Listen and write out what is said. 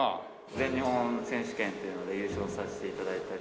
全日本選手権っていうので優勝させて頂いたり。